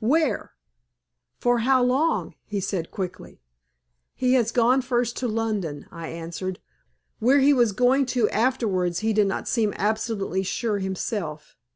Where? For how long?" he said, quickly. "He has gone first to London," I answered; "where he was going to afterwards he did not seem absolutely sure himself.